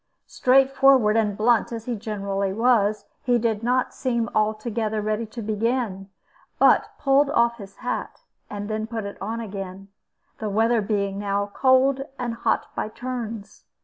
Straightforward and blunt as he generally was, he did not seem altogether ready to begin, but pulled off his hat, and then put it on again, the weather being now cold and hot by turns.